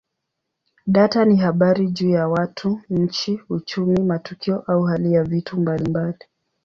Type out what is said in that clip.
Data ni habari juu ya watu, nchi, uchumi, matukio au hali ya vitu mbalimbali.